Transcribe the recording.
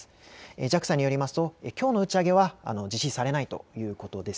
ＪＡＸＡによりますときょうの打ち上げは実施されないということです。